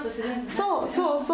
そうそうそう。